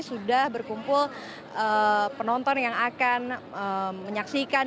sudah berkumpul penonton yang akan menyaksikan